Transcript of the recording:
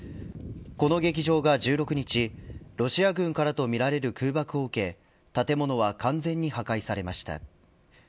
この劇場が１６日ロシア軍からとみられる空爆を受け建物は完全に破壊されました。